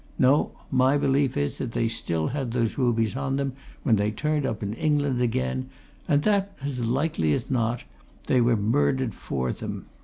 No my belief is that they still had those rubies on them when they turned up in England again, and that, as likely as not, they were murdered for them.